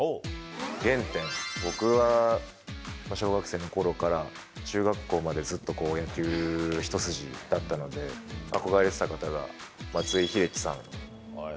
原点、僕は小学生のころから中学校まで、ずっと野球一筋だったので、憧れてた方が、松井秀喜さん。